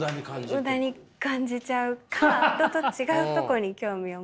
無駄に感じちゃうか人と違うとこに興味を持っちゃう。